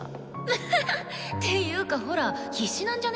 ハハッていうかほら必死なんじゃね？